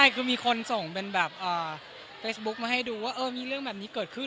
ใช่คือมีคนส่งเป็นแบบเฟซบุ๊คมาให้ดูว่ามีเรื่องแบบนี้เกิดขึ้น